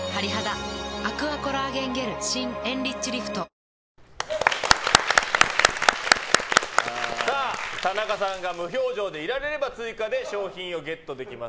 心逢君、心愛ちゃん田中さんが無表情でいられれば追加で商品をゲットできます。